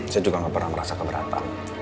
saya juga gak pernah merasa keberatan